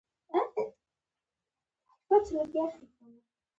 په وچو خوشايو کې يوه زړه جارو پرته وه.